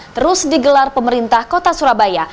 terus digelar pemerintah kota surabaya